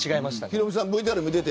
ヒロミさん